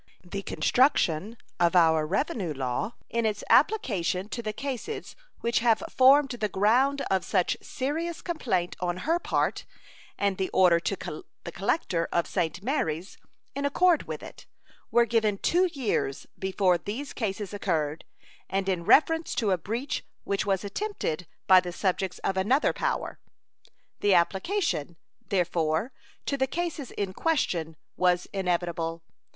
The construction of our revenue law in its application to the cases which have formed the ground of such serious complaint on her part and the order to the collector of St. Marys, in accord with it, were given two years before these cases occurred, and in reference to a breach which was attempted by the subjects of another power. The application, therefore, to the cases in question was inevitable.